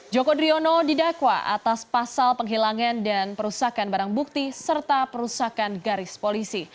joko driono didakwa atas pasal penghilangan dan perusakan barang bukti serta perusakan garis polisi